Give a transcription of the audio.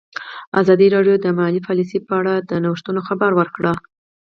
ازادي راډیو د مالي پالیسي په اړه د نوښتونو خبر ورکړی.